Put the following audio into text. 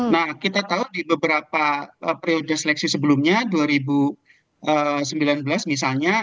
nah kita tahu di beberapa periode seleksi sebelumnya dua ribu sembilan belas misalnya